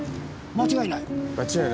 間違いない。